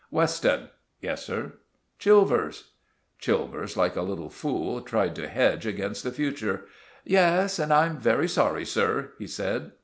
"Weston?" "Yes, sir." "Chilvers?" Chilvers, like a little fool, tried to hedge against the future. "Yes, and I'm very sorry, sir," he said.